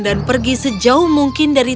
dan pergi sejauh mungkin dari